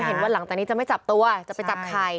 เห็นว่าหลังจากนี้จะไม่จับตัวจะไปจับไข่